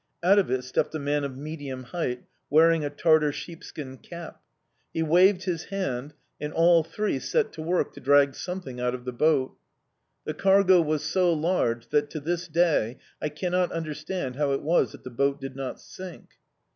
Out of it stepped a man of medium height, wearing a Tartar sheepskin cap. He waved his hand, and all three set to work to drag something out of the boat. The cargo was so large that, to this day, I cannot understand how it was that the boat did not sink.